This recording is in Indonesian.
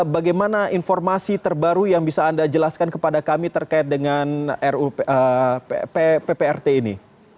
bagaimana informasi terbaru yang bisa anda jelaskan kepada kami terkait dengan pprt ini